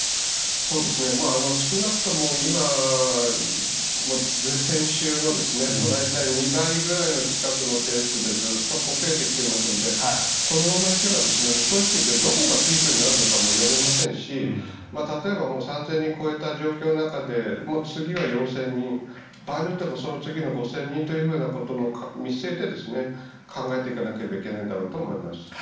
少なくとも今は先週の大体２倍近くのペースでずっと増えてきていますのでこのまま行けば正直に言ってどこがピークになるのかも読めませんし例えば３０００人を超えた状況の中で次は４０００人場合によっては次の５０００人ということも見据えて考えていかなければいけないだろうと思います。